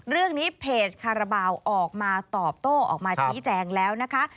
เรื่องนี้เพจคาราบาลออกมาตอบโต้ออกมาชี้แจงแล้วนะคะ